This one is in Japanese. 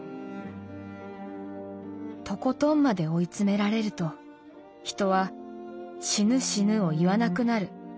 とことんまで追い詰められると人は『死ぬ死ぬ』を言わなくなる。